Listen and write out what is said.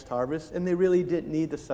dan mereka benar benar tidak perlu